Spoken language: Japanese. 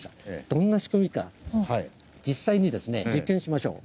どんな仕組みか実際にですね実験しましょう。